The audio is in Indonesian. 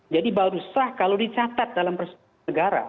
jadi baru sah kalau dicatat dalam persidangan negara